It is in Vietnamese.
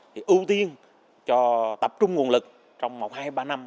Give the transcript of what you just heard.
thì ưu tiên cho tập trung nguồn lực trong một hai ba năm